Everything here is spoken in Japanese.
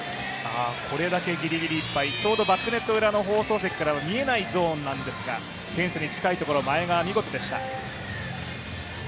これだけギリギリいっぱい、ちょうどバックネット裏の放送席からは見えないゾーンなんですが、フェンスに近いところ前川、見事でした。